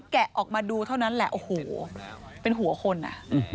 แกะออกมาดูเท่านั้นแหละโอ้โหเป็นหัวคนอ่ะ